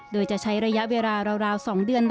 โดยจะใช้ระยะเวลาราว๒เดือน